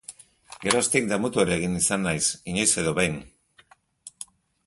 Geroztik damutu ere egin izan naiz, inoiz edo behin.